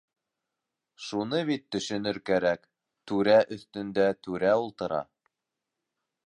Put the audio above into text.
Шуны бит төшөнөр кәрәк - түрә өҫтөндә түрә ултыра.